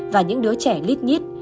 và những đứa trẻ lít nhít